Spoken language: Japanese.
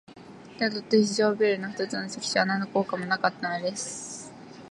板戸と非常ベルの二つの関所は、なんの効果もなかったのです。このぶんでは、第三の関所もうっかり信用することはできません。